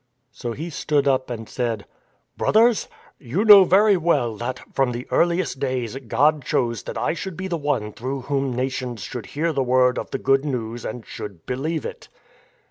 So he stood up and said :*' Brothers, you know very well that, from the earliest days, God chose that I should be the one through whom Nations should hear the Word of the Good News and should believe it.